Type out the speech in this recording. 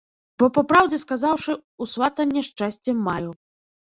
Бо, па праўдзе сказаўшы, у сватанні шчасце маю.